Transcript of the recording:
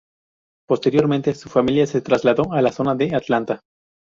Posteriormente, su familia se trasladó a la zona de Atlanta.